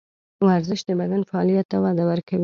ورزش د بدن فعالیت ته وده ورکوي.